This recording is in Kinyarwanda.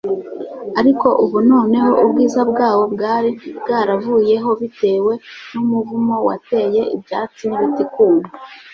Ariko ubu noneho ubwiza bwawo bwari bwaravuyeho bitewe numuvumo wateye ibyatsi nibiti kuma